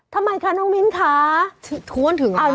ทำไมคะนองมิ้นท์ค่ะทุกวันถึงกัน